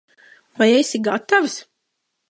Vai esi gatavs?